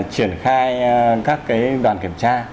triển khai các cái đoàn kiểm tra